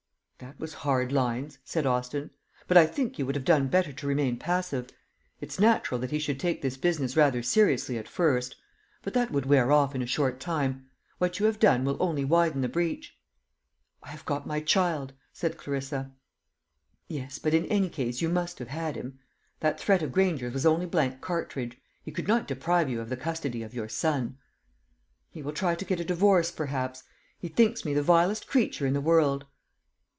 "That was hard lines," said Austin; "but I think you would have done better to remain passive. It's natural that he should take this business rather seriously at first: but that would wear off in a short time. What you have done will only widen the breach." "I have got my child," said Clarissa. "Yes; but in any case you must have had him. That threat of Granger's was only blank cartridge. He could not deprive you of the custody of your son." "He will try to get a divorce, perhaps. He thinks me the vilest creature in the world."